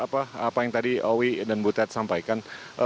apa yang tadi owi dan butet sampaikan